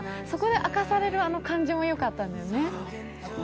そこで明かされる感じもよかったよね。